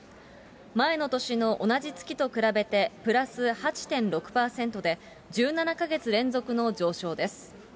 前の年の同じ月と比べてプラス８．６％で、１７か月連続の上昇です。